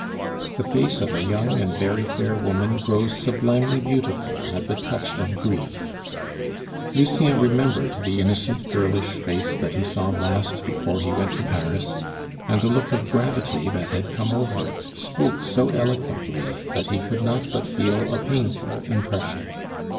The face of a young and very fair woman grows sublimely beautiful at the touch of grief; Lucien remembered the innocent girlish face that he saw last before he went to Paris, and the look of gravity that had come over it spoke so eloquently that he could not but feel a painful impression.